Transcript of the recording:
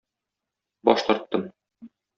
Баш тарттым.